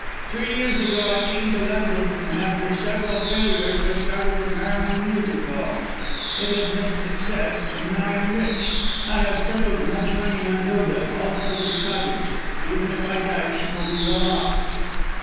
Three years ago I came to London, and after several failures I started the Merryman Music Hall. It has been a success, and now I am rich. I have settled much money on Hilda, also this cottage. Even if I die she will be well off."